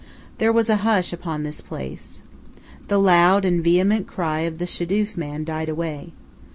There was a hush upon this place. The loud and vehement cry of the shadoof man died away.